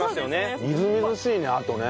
みずみずしいねあとね。